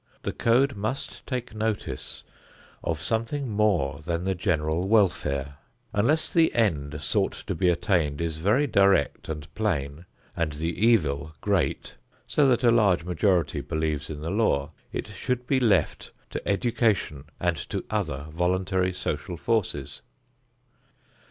The code must take notice of something more than the general welfare. Unless the end sought to be attained is very direct and plain and the evil great so that a large majority believes in the law, it should be left to education and to other voluntary social forces.